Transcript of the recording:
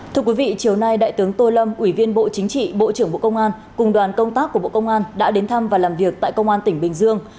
thưa quý vị chiều nay đại tướng tô lâm ủy viên bộ chính trị bộ trưởng bộ công an cùng đoàn công tác của bộ công an đã đến thăm và làm việc tại công an tỉnh bình dương